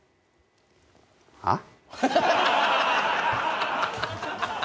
はっ？